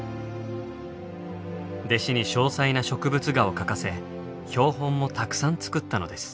弟子に詳細な植物画を描かせ標本もたくさん作ったのです。